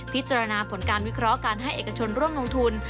พิจารณาผลการวิเคราะห์การให้เอกชนร่วมลงทุน